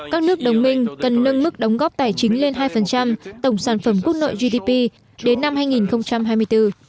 các nước đồng minh cần nâng mức đóng góp tài chính lên hai tổng sản phẩm quốc nội gdp đến năm hai nghìn hai mươi bốn